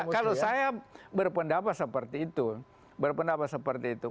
kalau saya berpendapat seperti itu